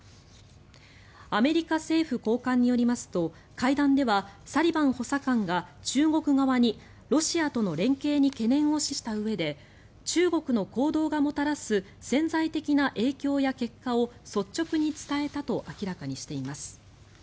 アメリカ政府高官によりますと会談ではサリバン補佐官が中国側にロシアとの連携に懸念を示したうえで中国の行動がもたらす潜在的な影響や結果を率直に伝えたと明らかにしています。